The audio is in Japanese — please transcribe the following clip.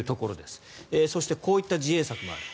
そしてこういった自衛策もある。